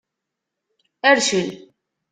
Rcel.